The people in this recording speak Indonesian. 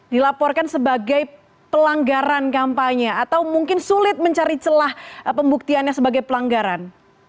dilaporkan sebagai pelanggaran kampanye atau mungkin sulit mencari celah pembuktiannya sebagai pelanggaran